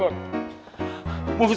menunggu senin lo gdzie